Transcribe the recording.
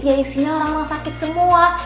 ya isinya orang orang sakit semua